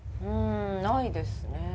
うんないですね。